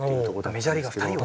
メジャーリーガー２人を。